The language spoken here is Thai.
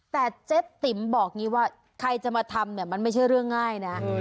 แต่เจ๊ติ๋มบอกงี้ว่าใครจะมาทำมันไม่ใช่เรื่องง่าย